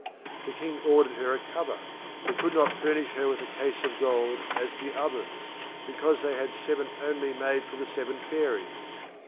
The King ordered her a cover, but could not furnish her with a case of gold as the others, because they had seven only made for the seven Fairies.